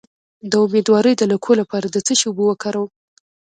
د امیدوارۍ د لکو لپاره د څه شي اوبه وکاروم؟